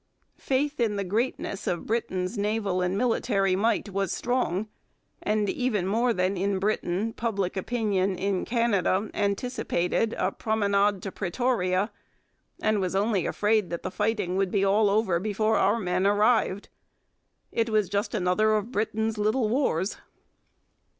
Faith in the greatness of Britain's naval and military might was strong, and, even more than in Britain, public opinion in Canada anticipated a 'promenade to Pretoria,' and was only afraid that the fighting would be all over before our men arrived. It was just another of Britain's 'little wars.'